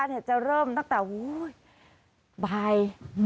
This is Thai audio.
แต่จะเริ่มตั้งแต่โอ้โฮบ่าย